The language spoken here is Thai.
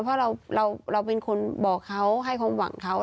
เพราะเราเป็นคนบอกเขาให้ความหวังเขา